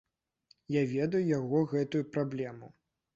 Я ведаю яго гэтую праблему.